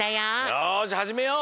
よしはじめよう。